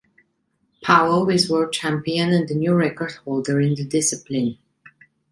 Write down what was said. Powell is world champion and the new record-holder in the discipline.